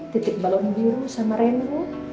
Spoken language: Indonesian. titik balon biru sama renu